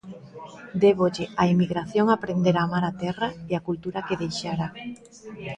Débolle á emigración aprender a amar a terra e a cultura que deixara.